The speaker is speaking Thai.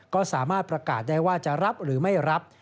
ก็สามารถประกาศได้ว่าจะรับหรือไม่รับ